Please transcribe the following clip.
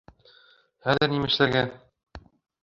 Хәҙер нимә эшләргә?